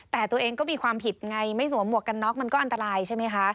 แต่ตัวเองก็มีความผิดไงไม่สวมหวกกันน็อกมันก็อันตรายใช่ไหมคะ